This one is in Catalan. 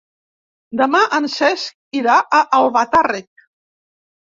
Demà en Cesc irà a Albatàrrec.